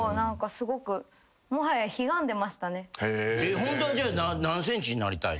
ホントはじゃあ何センチになりたいの？